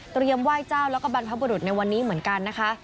ไหว้เจ้าแล้วก็บรรพบุรุษในวันนี้เหมือนกันนะคะ